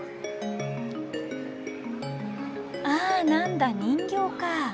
あっ何だ人形か。